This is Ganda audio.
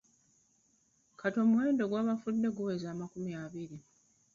Kati omuwendo gw’abafudde guweze amakumi abiri.